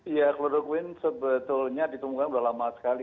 ya kloroquine sebetulnya ditemukan sudah lama sekali